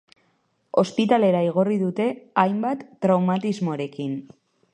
Ospitalera igorri dute, hainbat traumatismorekin.